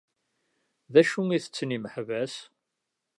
D acu i ttetten yimeḥbas?